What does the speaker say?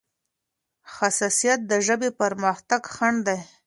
حساسيت د ژبې پرمختګ خنډ دی.